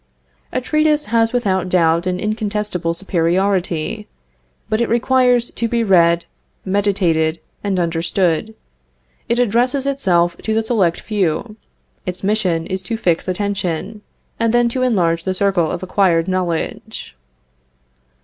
A treatise has without doubt an incontestable superiority. But it requires to be read, meditated, and understood. It addresses itself to the select few. Its mission is first to fix attention, and then to enlarge the circle of acquired knowledge.